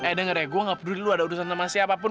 eh denger ya gue gak peduli lo ada urusan sama siapapun